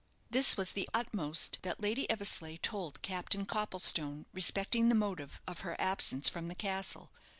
This was the utmost that Lady Eversleigh told Captain Copplestone respecting the motive of her absence from the castle.